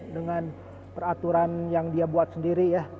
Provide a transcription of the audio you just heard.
dengan peraturan yang dia buat sendiri ya